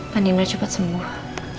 pandeminya cepat sembuh